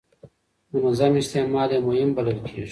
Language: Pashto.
منظم استعمال یې مهم بلل کېږي.